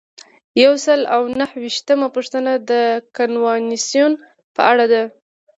یو سل او نهه ویشتمه پوښتنه د کنوانسیون په اړه ده.